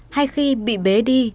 hay khi bị bế đi